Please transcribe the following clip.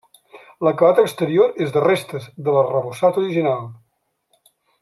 L'acabat exterior és de restes de l'arrebossat original.